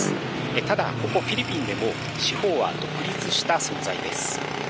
ただ、ここ、フィリピンでも司法は独立した存在です。